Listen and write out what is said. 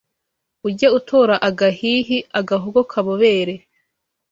Ujye utora agahihi Agahogo kabobere